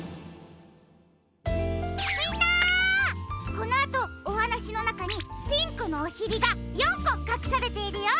このあとおはなしのなかにピンクのおしりが４こかくされているよ。